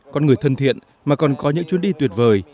con người thân thiện mà còn có những chuyến đi tuyệt vời